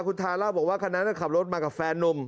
คุณทาเล่าบอกว่าคันนั้นขับรถมากับแฟนนุ่ม